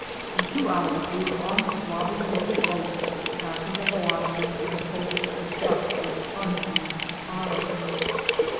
In two hours we were on the throbbing little boat, passing the Hoatzins and hosts of Ducks with unseeing eyes.